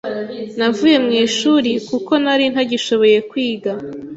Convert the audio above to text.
navuye mu ishuri kuko nari ntagishoboye kwiga.